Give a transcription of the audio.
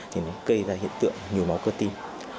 thì nó gây ra hiện tượng nhồi máu cơ tim